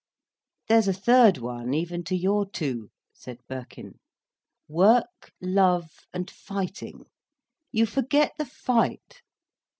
"There's a third one even to your two," said Birkin. "Work, love, and fighting. You forget the fight."